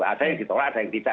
ada yang ditolak ada yang tidak